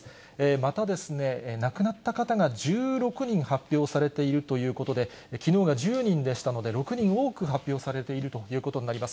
また亡くなった方が１６人発表されているということで、きのうが１０人でしたので、６人多く発表されているということになります。